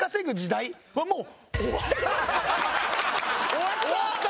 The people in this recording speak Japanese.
終わった？